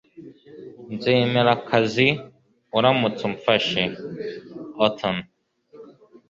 nzemera akazi, uramutse umfashe. (autuno